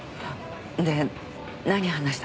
で何話したの？